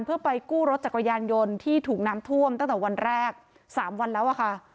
เพื่อไปกู้รถจักรยานยนต์ที่ถูกน้ำท่วมตั้งแต่วันแรก๓วันแล้วอะค่ะ